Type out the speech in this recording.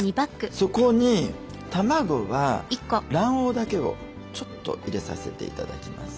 そこに卵は卵黄だけをちょっと入れさせて頂きます。